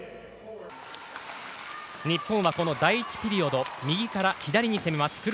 日本は第１ピリオド右から左に攻めます。